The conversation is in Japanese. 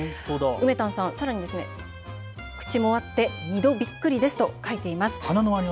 うめたんさん、さらに口もあって２度びっくりですと書いています。